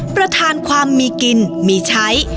ประธานความมีกินมีใช้